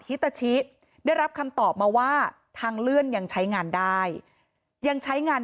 ฮิตาชิได้รับคำตอบมาว่าทางเลื่อนยังใช้งานได้ยังใช้งาน